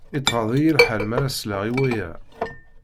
Yettɣiḍ-iyi lḥal mi ara sleɣ i waya.